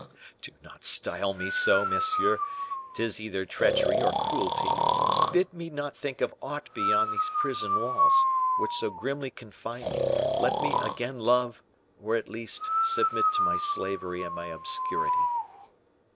"Oh, do not style me so, monsieur; 'tis either treachery or cruelty. Bid me not think of aught beyond these prison walls, which so grimly confine me; let me again love, or, at least, submit to my slavery and my obscurity."